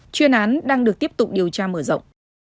chuyên án đang được tiếp tục điều tra mở rộng